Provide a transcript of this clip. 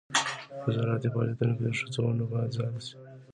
د زراعتي فعالیتونو کې د ښځو ونډه باید زیاته شي.